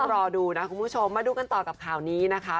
รอดูนะคุณผู้ชมมาดูกันต่อกับข่าวนี้นะคะ